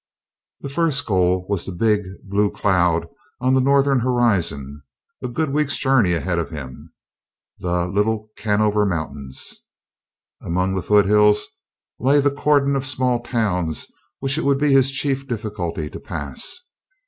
The first goal was the big blue cloud on the northern horizon a good week's journey ahead of him the Little Canover Mountains. Among the foothills lay the cordon of small towns which it would be his chief difficulty to pass.